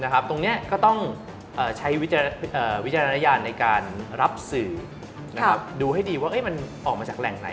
ตรงนี้ก็ต้องใช้วิจารณญาณในการรับสื่อดูให้ดีว่ามันออกมาจากแหล่งไหน